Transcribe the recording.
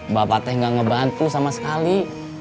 bapak teh gak ngebantu sama sekali